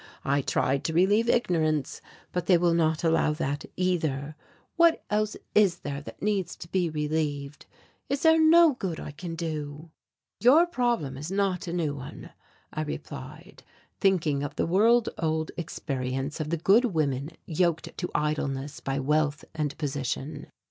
I tried to relieve ignorance, but they will not allow that either. What else is there that needs to be relieved? Is there no good I can do?" "Your problem is not a new one," I replied, thinking of the world old experience of the good women yoked to idleness by wealth and position.